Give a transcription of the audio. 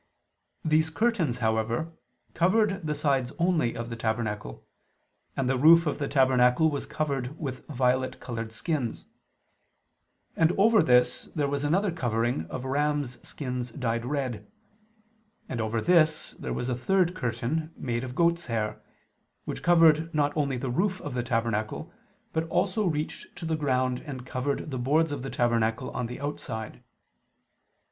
These curtains, however, covered the sides only of the tabernacle; and the roof of the tabernacle was covered with violet colored skins; and over this there was another covering of rams' skins dyed red; and over this there was a third curtain made of goats' hair, which covered not only the roof of the tabernacle, but also reached to the ground and covered the boards of the tabernacle on the outside.